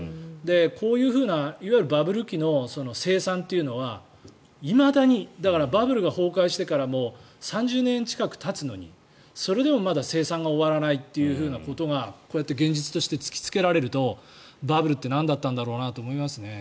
こういうふうないわゆるバブル期の清算というのはいまだにだからバブルが崩壊してからも３０年近くたつのにそれでもまだ清算が終わらないということがこうやって現実として突きつけられるとバブルってなんだったんだろうなと思いますね。